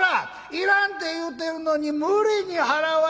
いらんて言うてるのに無理に払わいでもええやろ！」。